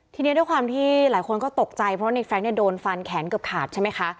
ทีนี้ด้วยความที่หลายคนก็ตกใจเพราะในแร้งโดนฟันแขนเกือบขาดใช่ไหมคะ